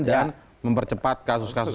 dan mempercepat kasus kasus